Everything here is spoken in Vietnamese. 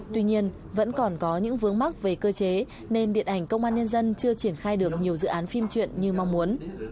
tuy nhiên vẫn còn có những vướng mắc về cơ chế nên điện ảnh công an nhân dân chưa triển khai được nhiều dự án phim truyện như mong muốn